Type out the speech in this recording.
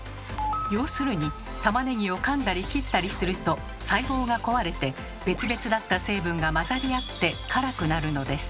要するにたまねぎをかんだり切ったりすると細胞が壊れて別々だった成分が混ざり合って辛くなるのです。